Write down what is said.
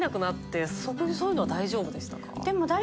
そういうのは大丈夫でしたか？